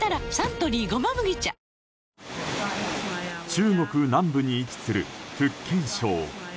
中国南部に位置する福建省。